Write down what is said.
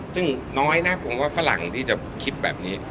ซึ่งน้อยนะผมว่าฝรั่งที่จะคิดแบบนี้